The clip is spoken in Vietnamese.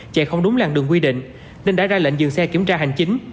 chạy không đúng làng đường quy định nên đã ra lệnh dừng xe kiểm tra hành chính